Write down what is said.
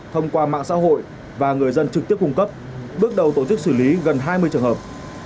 thông qua mạng xã hội và người dân trực tiếp cung cấp bước đầu tổ chức xử lý gần hai mươi trường hợp